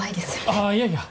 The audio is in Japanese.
あぁいやいや。